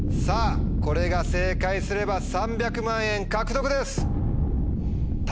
これが正解すれば３００万円獲得です。